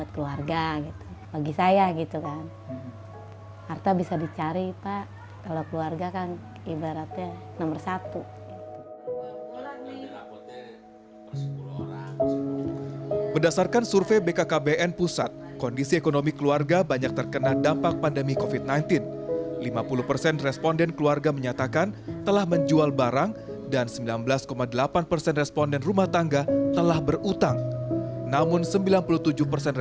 keluarga gitu lagi saya gitu kan harta bisa dicari pak kalau keluarga kan ibaratnya nomor